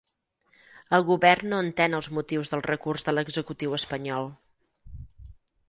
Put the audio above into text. El govern no entén els motius del recurs de l'executiu espanyol